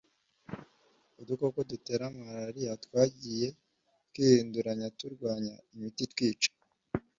udukoko dutera malaria twagiye twihinduranya turwanya imiti itwica.